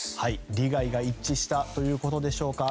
利害が一致したということでしょうか。